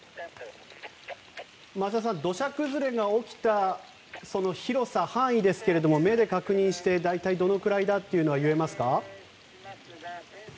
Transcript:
増田さん、土砂崩れが起きた広さ、範囲ですが目で確認して、大体どのくらいだというのは言えますか？